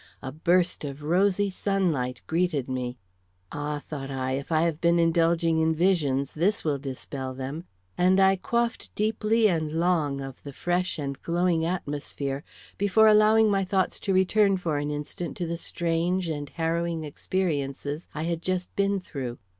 A burst of rosy sunlight greeted me. "Ah!" thought I, "if I have been indulging in visions, this will dispel them"; and I quaffed deeply and long of the fresh and glowing atmosphere before allowing my thoughts to return for an instant to the strange and harrowing experiences I had just been through.